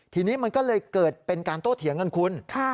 ทีนี้มันก็เลยเกิดเป็นการโต้เถียงกันคุณ